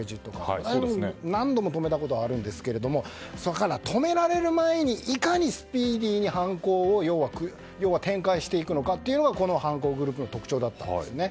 僕も何度も止めたことあるんですけれども止められる前にいかにスピーディーに犯行を展開していくのかというのがこの犯行グループの特徴だったんですね。